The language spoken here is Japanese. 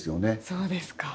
そうですか。